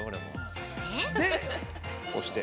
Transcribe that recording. そして。